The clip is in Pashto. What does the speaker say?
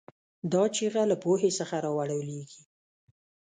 دا چیغه له پوهې څخه راولاړېږي.